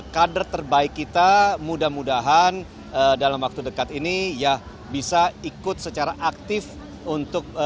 kader terbaik kita mudah mudahan dalam waktu dekat ini ya bisa ikut secara aktif untuk